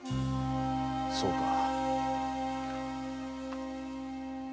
そうか。